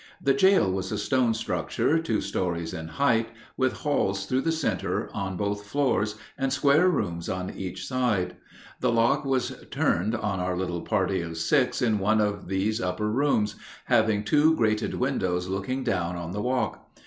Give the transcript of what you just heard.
The jail was a stone structure, two stories in height, with halls through the center on both floors and square rooms on each side. The lock was turned on our little party of six in one of these upper rooms, having two grated windows looking down on the walk.